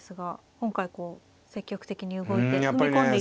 今回こう積極的に動いて踏み込んでいってますよね。